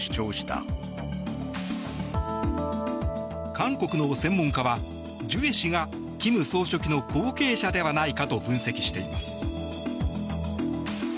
韓国の専門家は、ジュエ氏が金総書記の後継者ではないかと分析しています。